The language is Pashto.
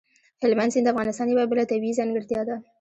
هلمند سیند د افغانستان یوه بله طبیعي ځانګړتیا ده.